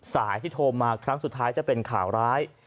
สายที่โทรมาครั้งสุดท้ายจะเป็นข่าวร้าย